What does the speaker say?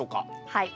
はい。